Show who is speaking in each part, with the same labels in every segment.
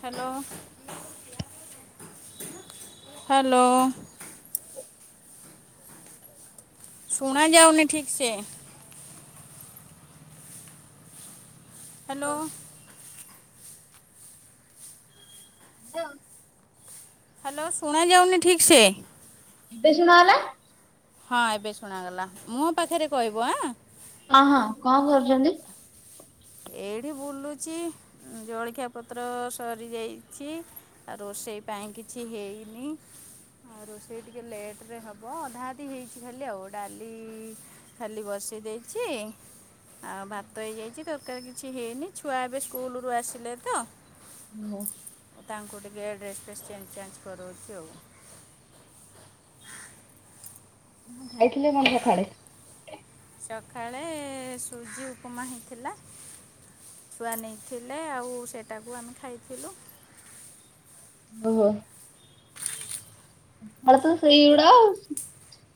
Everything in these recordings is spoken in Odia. Speaker 1: ହ୍ୟାଲୋ। ହେଲୋ।
Speaker 2: [unintelligible]
Speaker 1: ଶୁଣା ଯାଉନି ଠିକ୍ ସେ? ହେଲୋ।
Speaker 2: [unintelligible]
Speaker 1: ହାଲୋ ଶୁଣା ଯାଉନି ଠିକ ସେ।
Speaker 2: ଏବେ ସୁନଗଲା?
Speaker 1: ହଁ ଏବେ ଶୁଣାଗଲା ମୁ ପାଖରେ କହିବ ଆଁ।
Speaker 2: ଅ ହଁ କଣ କରୁଛନ୍ତି?
Speaker 1: ଏଇଠି ବୁଲୁଛି ଜଳଖିଆ ପତ୍ର ସରି ଯାଇଛି ଆ ରୋଷେଇ ସେଇ ପାଇଁ କିଛି ହେଇନି। ଆଉ ରୋଷେଇ ଟିକେ ଲେଟ୍ ହେବ ଅଧା ଅଧି ହେଇଛି ଖାଲି ଆଉ ଡାଲି ଖାଲି ବସି ଦେଇଛି ଆଉ ଭାତ ହେଇଯାଇଛି ତ କରୀ କିଛି ହେଇନି ଛୁଆ ଏବେ ସ୍କୁଲରୁ ଆସିଲେ ତ।
Speaker 2: ଓହୋ
Speaker 1: ତାଙ୍କୁ ଟିକେ ଡ୍ରେସ ଫ୍ରେସ୍ ଚେଞ୍ଜ ଚେଞ୍ଜ କରଉଛି ଆଉ।
Speaker 2: [inaudible] କଣ ଖାଇଥିଲି କଣ ସଖାଳେ?
Speaker 1: ସକାଳେ ସୁଜି ଉପମା ହେଇଥିଲା। ଛୁଆ ନେଇଥିଲେ ଆଉ ସେଇଟାକୁ ଆମେ ଖାଇଥିଲୁ।
Speaker 2: ଓ ହୋ। ଅଳ୍ପ ସେଇ ଉଡା।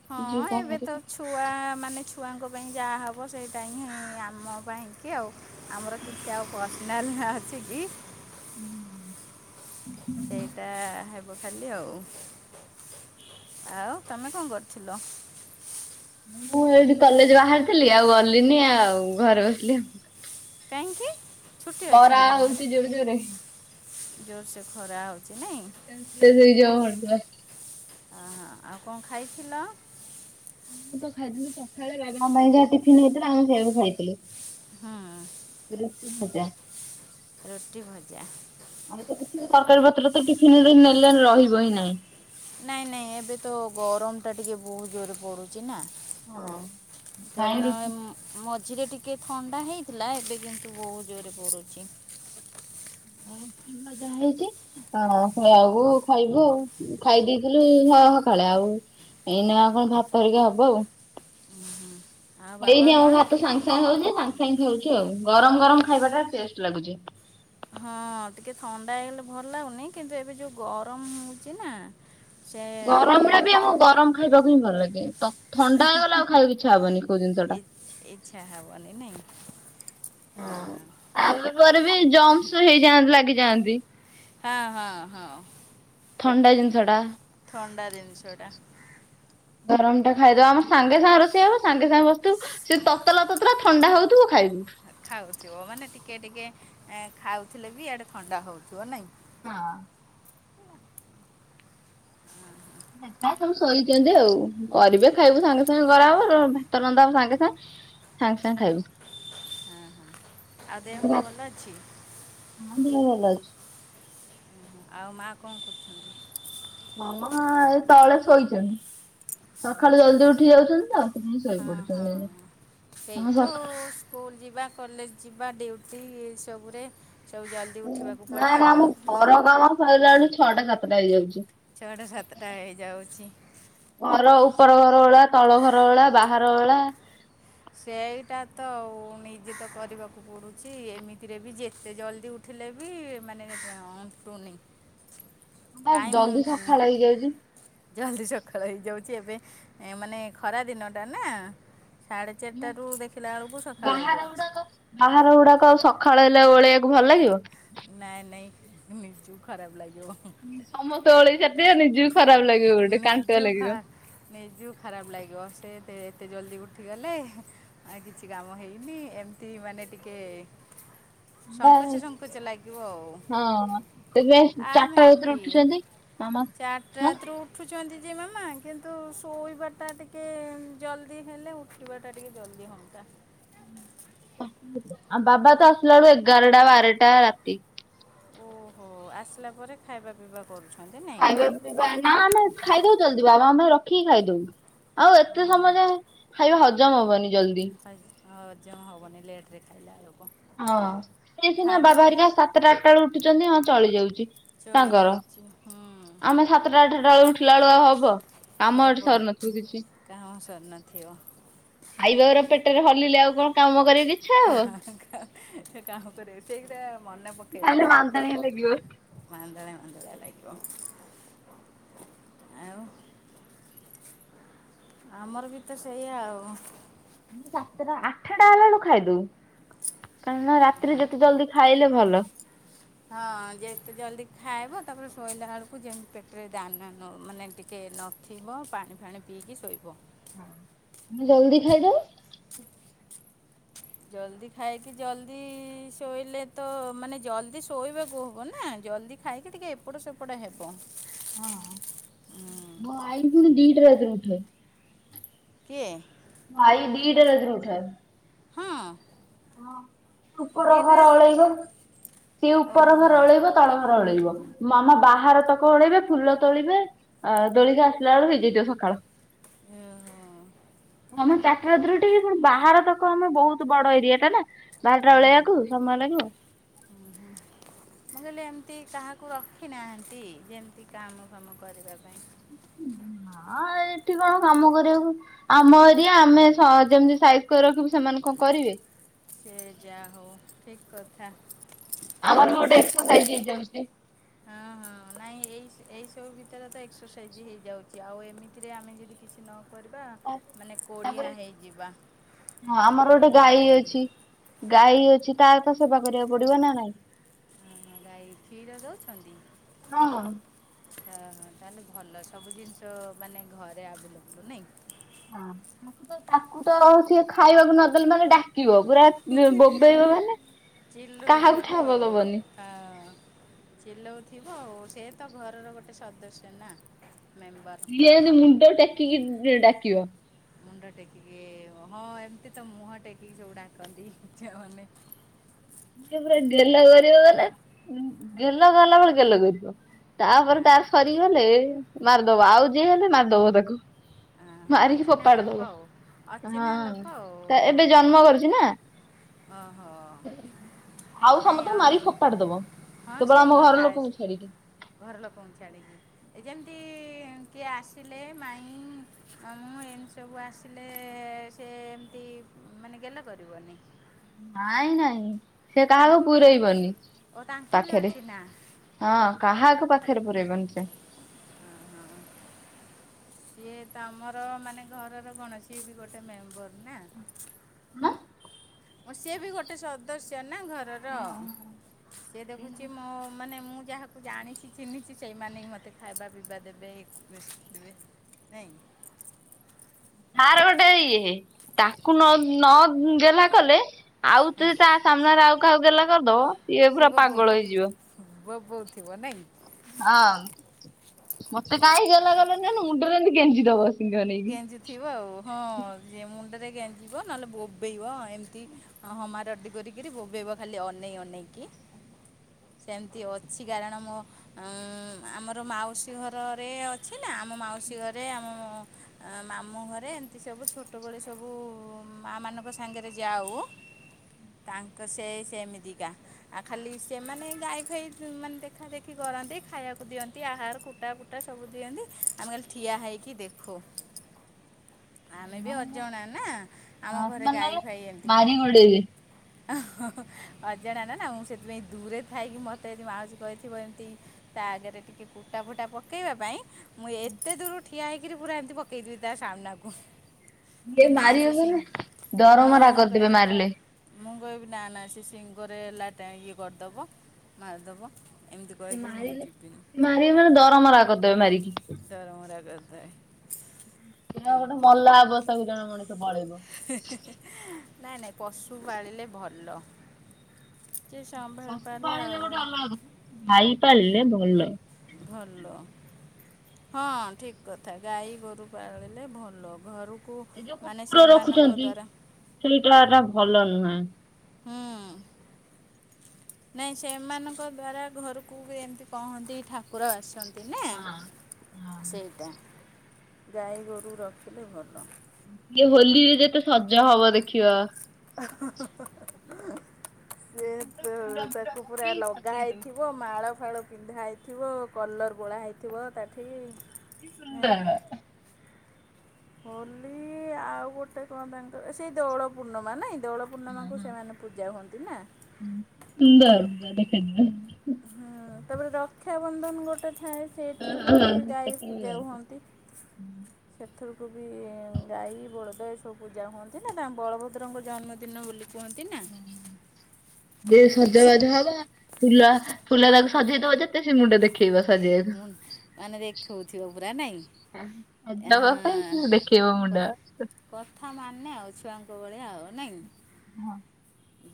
Speaker 1: ହଁ ଏବେ ତ ଛୁଆ ମାନେ ଛୁଆଙ୍କ ପାଇଁ ଯାହା ହେବ ସେଇଟା ହିଁ ଆମ ପାଇଁକି ଆଉ ଆମର କିଛି ଆଉ ପର୍ସନାଲ୍ ହଁ ଆସିକି।
Speaker 2: [unintelligible]
Speaker 1: ସେଇଟା ହେବ। ହବ ଖାଲି ଆଉ, ଆଉ ତମେ କଣ କରିଥିଲ?
Speaker 2: ମୁଁ ଏଠି କଲେଜ ବାହାରିଥିଲି ଆଉ ଗଲିନି ଆଉ ଘରେ ବସିଲି।
Speaker 1: କାହିଁକି? ଛୁଟି
Speaker 2: ଖରା ହଉଛି ଜୋର ଜୋରେ।
Speaker 1: ଜୋରସ ଖରା ହ
Speaker 2: ସେନ୍ସ ଲେସ୍ ହେଇଯିବ ମଣିଷ।
Speaker 1: ଆ ଆଉ କଣ ଖାଇଥିଲ?
Speaker 2: ମୁଁ ତ ଖାଇଥିଲି ସକାଳେ ବାବାଙ୍କ ପାଇଁ ଯାହା ଟିଫିନ ହେଇଥିଲା ଆମେ ସେଇଆକୁ
Speaker 1: ହୁଁ
Speaker 2: ଖାଇଥିଲୁ। ରୁଟି, ଭଜା।
Speaker 1: ରୁଟି ଭଜା
Speaker 2: ଆମେ ତ କିଛି ତରକାରୀ ପତ୍ର ତ କି ତିନି ଦିନ ହେଲାଣି ରହିବ ହିଁ ନାଇଁ।
Speaker 1: ନାଇଁ ନାଇଁ ଏବେ ତ ଗରମ ଟା ଟିକେ ବହୁତ ଜୋର ପଡୁଛି ନା।
Speaker 2: ହଁ। ନାଇଁ
Speaker 1: କାରଣ
Speaker 2: ରୁଟି
Speaker 1: ମ ମ ମଝିରେ ଟିକେ ଥଣ୍ଡା ହେଇଥିଲା ଏବେ କିନ୍ତୁ ବହୁତ ଜୋରେ ପଡୁଛି।
Speaker 2: [unintelligible] ହେଇଛି ହ ସେଇଆ କୁ ଖାଇବୁ ଆଉ ଖାଇ ଦେଇଥିଲୁ। ଓହ ସଖାଳେ ଆଉ ଏଇନା କଣ ଭାତ ଧରିକି ହବ ଆଉ।
Speaker 1: ଆଉ ବାବା
Speaker 2: ଏଇଠି ଆମ
Speaker 1: ମା
Speaker 2: ଭାତ ସାଙ୍ଗେ ସାଙ୍ଗେ ହୋଉଚି ସାଙ୍ଗେ ସାଙ୍ଗେ ହୋଉଚି। ଦେଖ ଆଉ ଗରମ ଗରମ ଖାଇବା ଟା ଟେଷ୍ଟ ଲାଗୁଚି।
Speaker 1: ହଁ ଟିକେ ଥଣ୍ଡା ହେଇଗଲେ ଭଲ ଲାଗୁନି, କିନ୍ତୁ ଏବେ ଯୋଉ ଗରମ ହୋଉଚି ନା। ସେ ଟିକେ
Speaker 2: ଗରମ ଳେ ବି ଆଉ ଗରମ ଖାଇବାକୁ ହିଁ ଭଲ ଲାଗେ, ଥଣ୍ଡା ହେଇଗଲା ଆଉ ଖାଇବା ଇଚ୍ଛା ହବନି କୋଉ ଜିନିଷ ଟା।
Speaker 1: ଇଚ୍ଛା ହବନି ନା
Speaker 2: ଆମେ ପରେ ବି ଜମ୍ସ ହେଇଯାଆନ୍ତି ଲାଗିଯାଆ
Speaker 1: ହଁ ହଁ ହଁ।
Speaker 2: ଥଣ୍ଡା ଜିନିଷ ଟା।
Speaker 1: ଥଣ୍ଡା ଜିନିଷଇଟା
Speaker 2: ରମ ଟା ଖାଇଦବା ଆମ ସାଙ୍ଗେ ସାଙ୍ଗେ ରୋଷେଇ ହବ ସାଙ୍ଗେ ସାଙ୍ଗେ ବସିଥିବ ସେଈ ତତଲା ତତଲା ଥଣ୍ଡା ହୋଉଥିବ ଖାଇବୁ।
Speaker 1: ଖାଉଥିବ ମାନେ ଟିକେ ଟିକେ ଖାଉଥିଲେ ବି ଇଆଦୁ ଥଣ୍ଡା ହେଉଥିବ ନାହିଁ।
Speaker 2: ହଁ।
Speaker 1: ହଁ।
Speaker 2: ଦେଖ ସବୁ ସୋଇଛନ୍ତି, ଆଉ କରିବେ ଖାଇବୁ ସାଙ୍ଗେ ସାଙ୍ଗେ [unintelligible] ହବ ଭାତ ରନ୍ଧା ହବ ସାଙ୍ଗେ ସାଙ୍ଗେ ସଙ୍ଗ ସାଙ୍ଗ ଖାଇବୁ।
Speaker 1: ହଁ ହଁ ଆଉ ଦେହ ମୁଣ୍ଡ ଭଲ ଅଛି
Speaker 2: ହଁ [unintelligible]
Speaker 1: ଓ ଆଉ ମାଆ କଣ କରୁଛନ୍ତି?
Speaker 2: ମାମା ଏ ତଳେ ଶୋଇଛନ୍ତି। ସକାଳୁ ଜଲଦି
Speaker 1: ଶୋଇଛନ୍ତି
Speaker 2: ଉଠି ଯାଉଛନ୍ତି ତ ଆଉ ସେପାଇ
Speaker 1: ହଁ ହଁ
Speaker 2: ଶୋଇପଡୁଛନ୍ତି।
Speaker 1: ସେଇ ତ ସ୍କୁଲ ଯିବା କଲେଜ ଯିବା ଡୁଟି ଏ ସବୁ ଜଲ୍ଦି ଉଠିବାକୁ ପଡ଼େ
Speaker 2: ନାଇ ନା
Speaker 1: ଆଉ
Speaker 2: ଆମ ଘର କାମ ସରିଲା ବେଳ ଛଅଟା ସାତଟା ହେଇଚି।
Speaker 1: ଛଅଟା ସାତଟା ହେଇଯାଉଚି।
Speaker 2: ଅପର ଘର ଭଳା ତଳ ଘର ଭଳା ବାହାର ଭଳା।
Speaker 1: ସେଇଟା ତ ନିଜେ ତ କରିବାକୁ ପଡୁଚି ଏମିତିରେ ବି ଯେତେ ଜଲ୍ଦି ଉଠିଲେ ବି ମାନୁ [unintelligible]
Speaker 2: ବାସ ଜଲଦି ସକାଳ ହେଇଯାଉଚି।
Speaker 1: ଜଲଦି ସକାଳ ହେଇଯାଉଚି ଏବେ ମାନେ ଖରା ଦିନଟା ନା। ଚାରିଟାରୁ ଦେଖିଲା ବେଳକୁ ସକାଳ
Speaker 2: ବାହାର
Speaker 1: ହେଇଯାଉଛି
Speaker 2: ଗୁଡାକ ବାହାର ଗୁଡାକ ସଖାଳ ହେଲେ ଓଳେଇବାକୁ ଭଲ ଲାଗିବ।
Speaker 1: ନାଇଁ ନାଇଁ ନିଚୁ ଖରାପ ଲାଗି
Speaker 2: ସମସ୍ତେ ଭଳେଇ ସାରିଥିବେ ନିଜୁ
Speaker 1: ନିଯୁ ଖରାପ୍ ନିଜ ନିଜୁ ଖରାପ ଲାଗିବ ସେଥି ଏତେ ଜଲ୍ଦି ଉଠିଗଲେ ଆ କିଛି କାମ ହେଇନି ଏମିତି ମାନେ ଟିକେ
Speaker 2: ବା
Speaker 1: ସଙ୍କୋଚ ସଙ୍କୋଚ ଲାଗିବ ଆଉ
Speaker 2: ହଁ ତବେ ଚାରିଟା ଭିତରେ ଉଠୁଛନ୍ତି। ମାମା ହଁ
Speaker 1: ଚାରିଟାତ ରୁ ଉଠୁ ଛନ୍ତି ଯେ ମାମା କିନ୍ତୁ ଶୋଇବାଟା ଟିକେ ଜଲ୍ଦି ହେଲେ ଉଠିବାଟା ଟିକେ ଜଲ୍ଦି ହ ହଁ।
Speaker 2: ହୁଁ। ବାବା ତ ଆସିଲ ଆଳୁ ଏଗାରଟା ବାରଟା ରାତି
Speaker 1: ଓହୋ ଆସିଲା ପରେ ଖାଇବା ପିଇବା। କରୁଛନ୍ତି ନାଇଁ
Speaker 2: ଖାଇବା ପିଇ ଆମେ ଖାଇଦୋଉ ଜଲ୍ଦୀ ବା ଆମେ କି ଖାଇଦବୁ ଆଉ ଏତେ
Speaker 1: ଓହୋ
Speaker 2: ସମୟରେ ଖାଇବା ହଜମ ହବନି। ଜଲ୍ଦି।
Speaker 1: ହଜମ ହେବନି ଲେଟ୍ ରେ ଖାଇଲେ
Speaker 2: ହଁ ସେ ସିନା ବାବା ହେରିକା ସାତଟା ଆଠଟା ବେଳ ଉଠୁଛନ୍ତି ହଁ ଚଳି ଯାଉଚି।
Speaker 1: ଚଳି
Speaker 2: ତାଙ୍କର
Speaker 1: ଯାଉଛି ହୁଁ
Speaker 2: ଆମେ ସାତଟା ଆଠଟା ବେଳୁ ଉଠିଲା ବେଳୁଆ ହବ। କାମ ଏଠି
Speaker 1: ହବ
Speaker 2: ସରୁନଥିବ କିଛି।
Speaker 1: କାଇଁ ଅସର ନଥିବ।
Speaker 2: ଖାଇବା ଗୁରା ପେଟରେ [unintelligible] କଣ କାମ କରିବାକୁ ଇଚ୍ଛା
Speaker 1: କା
Speaker 2: ହବ।
Speaker 1: [unintelligible] ମନେ ପକେ
Speaker 2: ଖାଇଲେ
Speaker 1: ଦେବ
Speaker 2: ମାନ୍ଦା ହିଁ ଲାଗିବ। ଆମେ
Speaker 1: ବଧ [unintelligible] ଲାଗିବ ଆଉ ଆମର ବି ତ ସେଇଆ ଆଉ।
Speaker 2: ସାତଟା ଆଠଟା ହେଲାଳୁକୁ ଖାଇଦଉ। କାରଣ ରାତିରେ ଯେତେ ଜଲଦି ଖାଇଲେ ଭଲ।
Speaker 1: ହଁ ଯେତେ ଜଲଦି ଖାଇବ ତାପରେ ଶୋଇଲା ବେଳକୁ ଯେମିତି ପେଟରେ ଦାନା ନ ମାନେ ଟିକେ ନଥିବ ପାଣି ଫାଣି ପିଇକି ଶୋଇବ।
Speaker 2: ଜଲଦି ଖାଇଦଉ।
Speaker 1: ଜଲଦି ଖାଇକି ଜଲଦି ଶୋଇଲେ ତ ମାନେ ଜଲଦି ଶୋଇବାକୁ ହବ ନା। ଜଲଦି ଖାଇକି ଟିକିଏ ଏପଟ ସେପଟ ହେବ।
Speaker 2: ହଁ ମୋ ଆଇ ପୁଣି ଦିଟା ରାତିରେ ଉଠେ।
Speaker 1: କିଏ?
Speaker 2: ଭାଇ ଦିଟା ରାତିରୁ ଉଠେ।
Speaker 1: ହଁ।
Speaker 2: ହଁ ଉପର
Speaker 1: ଦୁଇଟା
Speaker 2: ଘର
Speaker 1: ରାତିରେ
Speaker 2: ଓଳେଇବ ସିଏ ଉପର
Speaker 1: ଓହୋ
Speaker 2: ଘର ଓଳେଇବ ତଳ ଘର ଓଳେଇବ। ମାମା ବାହାର ତକ ଓଳେଇବେ ଫୁଲ ତୋଳିବେ ଦୋଳିକି ଆସିଲା ବେଳୁ ହେଇଯାଇଥିବ ସକାଳ।
Speaker 1: ଓ ହୋ।
Speaker 2: ମାମା ଚାଟା ରାତିରୁ ଉଠିକି ପୁଣି ବାହାର ତକ ଆମ ବହୁତ ବ ଏରିଆ ଟା ନା। ବାହାରଟା
Speaker 1: ହୁଁ
Speaker 2: ଓଳେଇବାକୁ
Speaker 1: ମୁଁ
Speaker 2: ସମୟ ଲାଗିବ।
Speaker 1: ଏତି କାହାକୁ ରଖିନାହାନ୍ତି, ଯେମିତି କାମ ଫାମ କରିବା ପାଇଁ
Speaker 2: [inaudible] ହଁ ଏଠି କଣ କାମ କରିବାକୁ, ଆମ ଏରିଆ ଆମେ ଯେମିତି ସାଇସ୍କ ରଖିବୁ ସେତି ସେମାନେ କଣ କରିବେ?
Speaker 1: ସେ ଯା ହୋଉ ଠିକ କଥା।
Speaker 2: ଆମର ବି ଗୋଟେ ଏକ୍ସରସାଇଜ ହେଇଯାଉଛି। [inaudible]
Speaker 1: ନହିଁ ଏ ଏହିଇସବୁ ଭିତରେ ତ ଏକ୍ସରସାଇଜ୍ ହେଇଯାଉଛି ଆଉ ଏମିତିରେ ଆମେ ଯଦି କିଛି ନ କରିବା, ମାନେ କୋଡ଼ିଆ
Speaker 2: ତାପରେ
Speaker 1: ହେଇଯିବା।
Speaker 2: ହଁ ଆମର ଗୋଟେ
Speaker 1: କୋଡ଼ିଆ
Speaker 2: ଗାଈ
Speaker 1: ହେଇ
Speaker 2: ଅଛି, ଗାଈ ଅଛି ତାର ତ ସେବା କରିବାକୁ ପଡିବ ନା ନାଇଁ?
Speaker 1: ହ ଗାଇ, କ୍ଷୀର ଦଉଛନ୍ତି?
Speaker 2: ହଁ କଣ?
Speaker 1: ଆଛା, ହ ତାହେଲେ ଭଲ ସବୁ ଜିନିଷ ମାନେ ଘରେ ଆଭେଲେବୁଲ ନାଇଁ?
Speaker 2: ତା ତାକୁ ତ ସ ଖାଇବାକୁ ନଦଲେ ମାନେ ଡାକି ବ [unintelligible] ପୁରା ବୋଗଦେଇବ ମାନେ କାହାକୁ
Speaker 1: ଚିଲଉଥିବ
Speaker 2: ଠାବ
Speaker 1: ଆଉ
Speaker 2: ଦବନି
Speaker 1: ହଁ ଚିଲଉ ଥିବ ଆଉ, ସେ ତ ଘରର ଗୋଟେ ସଦସ୍ୟ ନା। ମେମ୍ବର
Speaker 2: ସିଏ ଏମିତି ମୁଣ୍ଡ ଟେକିକି ଡାକିବ
Speaker 1: ମୁଣ୍ଡ ଟେକିକି, ହଁ ଏମିତି ତ, ମୁହଁ ଟେକିକି ସବୁ ଡାକନ୍ତି, ଛୁଆ ମାନେ
Speaker 2: ସିଏ ପୁରା ଗେଲ କରିବ ମାନେ, ଗେଲ ଗଲା ପରେ ଗେଲ କରିବ।
Speaker 1: ହଁ,
Speaker 2: ତାପରେ ତାର
Speaker 1: ହଁ,
Speaker 2: ସରିଗଲେ, ମାରିଦବ ଆଉ ଯିଏ ହେଲେ ମାରିଦବ ତାକୁ।
Speaker 1: ହଁ,
Speaker 2: ମାରିକି
Speaker 1: ଅଚିହ୍ନା
Speaker 2: ଫୋପାଡି
Speaker 1: ଲୋକ
Speaker 2: ଦବ,
Speaker 1: ଆଉ ଅଚିହ୍ନା
Speaker 2: ହଁ,
Speaker 1: ଲୋକ ଆଉ ହଁ
Speaker 2: ଏବେ ଜନ୍ମ କରୁଛି ନା?
Speaker 1: ଓହୋ
Speaker 2: ଆଉ
Speaker 1: ନାଇଁ
Speaker 2: ସମସ୍ତଙ୍କୁ
Speaker 1: ଅ-
Speaker 2: ମାରିି ଫୋପାଡି ଦବ।
Speaker 1: ହଁ
Speaker 2: କେବଳ
Speaker 1: ସେଇ
Speaker 2: ଆମ ଘର
Speaker 1: କଥା,
Speaker 2: ଲୋକଙ୍କୁ ଛାଡିକି।
Speaker 1: ଘର ଲୋକଙ୍କୁ ଛାଡ଼ିକି ଏ ଯେମିତି କିଏ ଆସିଲେ, ମାଇଁ ହଁ, ମୁଁ ଏମିତି ସବୁ ଆସିଲେ, ସେ ଏମିତି ମାନେ ଗେଲ କରିବନି।
Speaker 2: ନାଇଁ ନାଇଁ। ସେ
Speaker 1: ତାଙ୍କୁ
Speaker 2: କାହାକୁ
Speaker 1: ବି ଅ-
Speaker 2: ପୁରଇବନି,
Speaker 1: ଓ ତାଙ୍କୁ ବି
Speaker 2: ପାଖରେ
Speaker 1: ଅଛି ନା
Speaker 2: ହଁ, କାହାକୁ ପାଖରେ ପୁରେଇବନି ସେ।
Speaker 1: ସିଏ ତ ଆମର ମାନେ ଘରର କଣ ସିଏ ବି ଗୋଟେ ମେମ୍ବର ନା।
Speaker 2: ହଁ। [unintelligible]
Speaker 1: ସିଏ ବି ଗୋଟେ ସଦସ୍ୟ ନା ଘରର, ସି ଦେଖୁଛି ମୋ ମାନେ ମୁଁ ମୁଁ ଯାହାକୁ ଜାଣିଛି, ଚିହ୍ନିଛି, ସେଇମାନେ ହିଁ ମୋତେ ଖାଇବା ପିଇବା ଦେବେ ନାହିଁ
Speaker 2: ସାର ଗୋଟେ ଇଏ, ତାକୁ ନ ନ ଗେଲା କଲେ ଆଉ ତୁ
Speaker 1: ହଁ
Speaker 2: ତା ସାମ୍ନାରେ ଆଉ କାହାକୁ ଗେଲ କରିଦବ, ସିଏ ପୁରା ପାଗଳ ହେଇଯିବ।
Speaker 1: ବବୋଉଥିବ, ନାଇଁ?
Speaker 2: ହଁ, ମତେ କାହି ଗେଲ କଲନି ବୋଲି ମୁଣ୍ଡରେ ଯେମିତି ଖେଞ୍ଚିଦବ।
Speaker 1: ଗେଞ୍ଜିୁଥିବ ଆଉ, ହଁ ମୁଣ୍ଡରେ ଗେଞ୍ଜିବ ନହେଲେ ବୋବେଇବ ଏମତି ହ ହମା ରଡ଼ି କରିକିରି ବୋବେଇବ ଖାଲି ଅନେଇ ଅନେଇକି। ସେମିତି ଅଛି, କାରଣ ମୋ ଉ ଆମର ମାଉସୀ ଘରରେ ଅଛି ନା ଆମ ମାଉସୀ ଘରେ, ଆମ ମାମୁଁ ଘରେ ଏମିତି ସବୁ ଛୋଟବେଳେ ସବୁ ମାଆ ମାନଙ୍କ ସାଙ୍ଗରେ ଯାଉ ତାଙ୍କ ସେ ସେମିତିକା ଆଉ ଖାଲି ସେମାନେ ଗାଈ ଫାଇ ମାନେ ଦେଖା ଦେଖି କର କରନ୍ତି, ଖାଇବାକୁ ଦିଅନ୍ତି, ଆହାର କୁଟା ଫୁଟା ସବୁ ଦିଅନ୍ତି, ଆମେ ଖାଲି ଠିଆ ହେଇକି ଦେଖୁ। ରଖ [unintelligible] ଆମେ ବି ଅଜଣା ନା, ଆମ
Speaker 2: ହଁ
Speaker 1: ଘରେ
Speaker 2: ସେମାନେ
Speaker 1: ଗାଈ
Speaker 2: ନହେଲେ
Speaker 1: ଫାଇ ଏମତି
Speaker 2: ମାରି ଗୋଡେଇବେ
Speaker 1: ଓ [unintelligible] ଅଜଣା ନା, ନା ମୁଁ, ସେଥିପାଇଁ ଦୂରେ ଥାଇକି ମତେ ଯଦି ମାଉସୀ କହିଥିବ ଏମିତି, ତା ଆଗରେ ଟିକେ ଫୁଟା ଫୁଟା ପକେଇବା ପାଇଁ ମୁଁ ଏତେ ଦୂରରୁ ଠିଆ ହୋଇକରି ପୁରା ଏମିତି ପକାଇଦେବି ତା ସାମ୍ନାକୁ।
Speaker 2: ଇଏ
Speaker 1: ନାଇଁ
Speaker 2: ମାରି
Speaker 1: ସେ
Speaker 2: ବେ
Speaker 1: ସିଂ
Speaker 2: ମାନେ
Speaker 1: ହଁ
Speaker 2: ଦରମାର
Speaker 1: ମୁଁ କହେ
Speaker 2: କରିଦେବେ ମାରିଲେ।
Speaker 1: ମୁଁ କହିବି ନା ନା ସେ ସିଙ୍ଗରେ ଲାଟ ଇଏ କରିଦବ ମାରିଦବ।
Speaker 2: ସେ ମାରିଲେ ମାରିବେ ମାନେ ଦରମରା କରିଦବେ ମାରିକି।
Speaker 1: ତାଏ
Speaker 2: ଗୋଟେ ମଲା ଅବସ୍ଥାକୁ ଜଣେ ମଣିଷ ପଳେଇବ।
Speaker 1: ନାଇଁ ନାଇଁ ପଶୁ ପାଳିଲେ ଭଲ। ଯିଏ ସମ୍ଭାଳି ପାରିଲା ଆଉ
Speaker 2: ଗାଈ ପାଳିଲେ ଭଲ। ଏ
Speaker 1: ଭଲ। ହଁ ଠିକ କଥା ଗାଈ ଗୋରୁ ପାଳିଲେ ଭଲ ଘରୁ
Speaker 2: ଏ ଯୋଉ କୁକୁର ରଖୁଛନ୍ତି ସେଇଟା ଟା ଭଲ ନୁହେଁ।
Speaker 1: ହଁ। ନାଇଁ ସେମାନଙ୍କ ଦ୍ଵାରା ଘରକୁ ଏମିତି କହନ୍ତି ଠାକୁର ଆସନ୍ତି। ଦିନେ
Speaker 2: ହଁ
Speaker 1: ସେଇଟା ଗାଈ ଗୋରୁ ରଖିଲେ ଭଲ।
Speaker 2: କିଏ ହୋଲିରେ ଯେତେ ସଜ ହବ ଦେଖିବା।
Speaker 1: ଆହା ହା ହା ହା। ସେ
Speaker 2: ଫୁଲ ଫୁଲ
Speaker 1: ତାକୁ ପୁରା
Speaker 2: ପକେଇ
Speaker 1: ଲଗା
Speaker 2: ସଜେଇ ଦଉ କି
Speaker 1: ହେଇଥିବ ମାଳ ଫାଳ ପିନ୍ଧା ହେଇଥିବ କଲର୍ ବୋଳା ହେଇଥିବ ତାଠି
Speaker 2: ଅତି
Speaker 1: ନାଇଁ
Speaker 2: ସୁନ୍ଦର।
Speaker 1: ହୋଲି ଆଉ ଗୋଟେ କଣ ତାଙ୍କର ସେଇ ଦୋଳ ପୂର୍ଣ୍ଣିମା ନାଇଁ। ଦୋଳପୂର୍ଣ୍ଣିମାକୁ ସେମାନେ ପୂଜା ହୁଅନ୍ତି ନା।
Speaker 2: ସୁନ୍ଦର ଦେଖାଯିବ।
Speaker 1: ହୁଁ ତାପରେ ରକ୍ଷାବନ୍ଧନ ଗୋଟେ ହ ସେଇଥିରକୁ
Speaker 2: ହଁ
Speaker 1: ବି
Speaker 2: ହଁ
Speaker 1: ଗାଈ ପୂଜା
Speaker 2: ସେକେଣ୍ଡ
Speaker 1: ହୁଅନ୍ତି। ସେଥୁରୁକୁ ବି ଗାଈ ବଳ ଏ ସବୁ ପୂଜା ହୁଅନ୍ତି ନା ବଳଭଦ୍ରଙ୍କ ଜନ୍ମଦିନ ବୋଲି କୁହନ୍ତି ନା।
Speaker 2: ଯେ ସଜବାଜ ହବା ଫୁଲ ଫୁଲ ତାକୁ ସଜେଇଦବ ଯେତେ ସେ ମୁଣ୍ଡ ଦେଖେ
Speaker 1: ମୁଁ ମାନେ ଦେଖଉଥିବ ପୁରା ନାଇଁ? ଆଁ
Speaker 2: [unintelligible] ଦେଖେଇବ
Speaker 1: କ
Speaker 2: ମୁଣ୍ଡା।
Speaker 1: କଥା ମାନେ ଆଉ ଛୁଆଙ୍କ ଭଳିଆ ଆଉ ନାଇଁ?
Speaker 2: ହଁ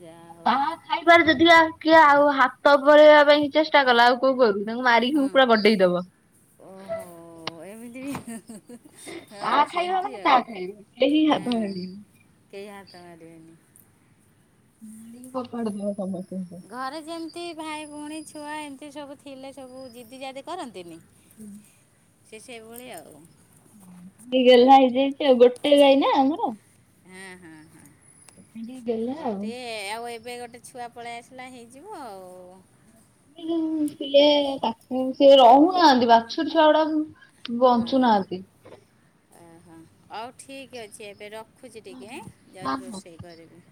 Speaker 1: ଯାହା ହଉ
Speaker 2: ବାହାର ଖାଇବାର ଯଦି ଯା କି ଆଉ ହାତ ପଳେବା ପାଇଁ ଚେଷ୍ଟା କଲା ଆଉ କୋଉ ଗୋରୁ ତାଙ୍କୁ ମାରିକି
Speaker 1: ହଁ
Speaker 2: ପୁରା ଗଡେଇ ଦବ।
Speaker 1: ଓହୋ। ଏମିତି
Speaker 2: ତା
Speaker 1: ଅଛି
Speaker 2: ଖାଇବା
Speaker 1: ଏନ୍ତି
Speaker 2: ମାନେ ତା
Speaker 1: ଆଉ
Speaker 2: ଖାଇବା କେହି
Speaker 1: ହଁ
Speaker 2: ହାତ ମାରିବେନି।
Speaker 1: କେହି ହାତ ମାରିବେନି।
Speaker 2: ଭିଡିକି ଫୋଫାଡିଦବ ସମସ୍ତଙ୍କୁ।
Speaker 1: ଘରେ ଯେମିତି ଭାଇ ଭଉଣୀ ଛୁଆ ଏମିତି ସବୁ ଥିଲେ ସବୁ ଜିଦି ଜାଦି କରନ୍ତିନି।
Speaker 2: ହୁଁ।
Speaker 1: ସେ ସେଭଳିଆ ଆଉ।
Speaker 2: ଟିକେ ଗେଲ୍ହା ହେଇଯାଇଛି ଗୋଟେ ଗାଈ ନା ଆମର
Speaker 1: ହଁ ହଁ ହ
Speaker 2: ଗେହ୍ଲା ଆଉ।
Speaker 1: ଗୋଟିଏ ଆଉ। ଏବେ ଗୋଟେ ଛୁଆ ପଳେଇ ଆସିଲା ହେଇଯିବ ଆଉ।
Speaker 2: କିନ୍ତୁ ଥିଲେ ପାଖରେ ସିଏ ରହୁନାହାନ୍ତି। ବାଛୁରୀ ଛୁଆ ଗୁଡା
Speaker 1: ହଁ ହଁ
Speaker 2: ବଞ୍ଚୁନାହାନ୍ତି।
Speaker 1: ଓହୋ ହଉ ଠିକ୍ ଅଛି ଏବେ ରଖୁଛି ଟିକେଁ ଯାଉଚି ରୋଷେଇ କରିବି।